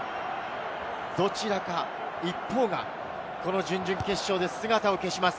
どちらか一方が準々決勝で姿を消します。